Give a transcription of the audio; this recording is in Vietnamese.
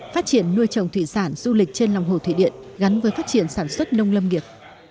phát triển nuôi trồng thủy sản du lịch trên lòng hồ thủy điện gắn với phát triển sản xuất nông lâm nghiệp